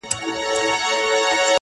زما هغـه ســـترگو ته ودريـــږي.